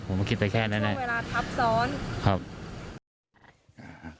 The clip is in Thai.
ผมมันคิดไปแค่นั้นช่วงเวลาทับซ้อน